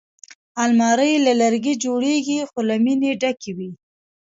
الماري له لرګي جوړېږي خو له مینې ډکې وي